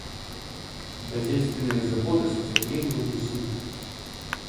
Хозяйственные заботы с наступлением весны.